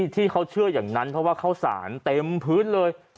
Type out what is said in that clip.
ที่เขาเชื่ออย่างนั้นเพราะว่าข้าวสารเต็มพื้นเลย